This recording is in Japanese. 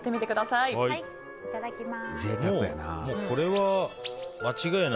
いただきます。